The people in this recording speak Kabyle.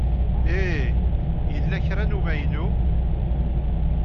Hey, yella kra n umaynu?